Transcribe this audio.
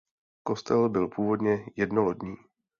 Kostel byl původně jednolodní.